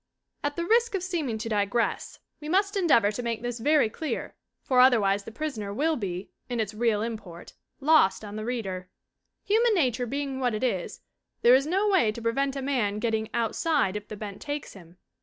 At the risk of seeming to digress we must endeavor 16 THE WOMEN WHO MAKE OUR NOVELS to make this very clear, for otherwise The Prisoner will be, in its real import, lost on the reader. Human nature being what it is there is no way to prevent a man getting "outside" if the bent takes him.